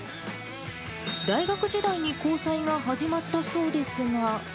大学時代に交際が始まったそうですが。